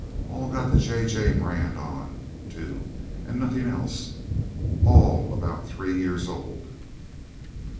All got the JJ brand on, too, and nothing else; all about three year old.'